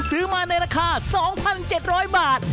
ซื้อมาในราคา๒๗๐๐บาท